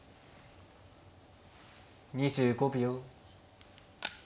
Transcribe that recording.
２５秒。